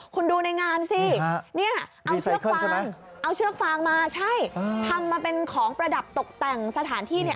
คุณดูในงานสิเอาเชือกฟางใช่ไหมทำมาเป็นของประดับตกแต่งสถานที่นี่